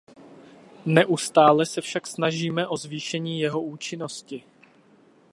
Neustále se však snažíme o zvýšení jeho účinnosti.